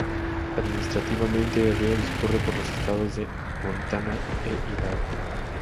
Administrativamente, el río discurre por los estados de Montana e Idaho.